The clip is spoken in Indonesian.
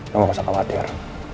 lo gak usah khawatir